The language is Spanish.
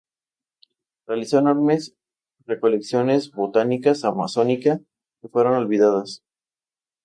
Realizó enormes recolecciones botánicas amazónica que fueron olvidadas.